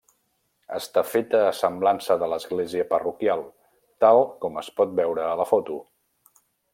Està feta a semblança de l'església parroquial tal com es pot veure a la foto.